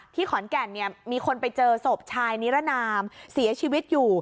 ขอนแก่นเนี่ยมีคนไปเจอศพชายนิรนามเสียชีวิตอยู่